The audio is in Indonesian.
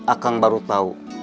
akang baru tau